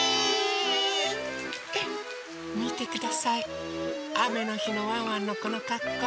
みてくださいあめのひのワンワンのこのかっこう。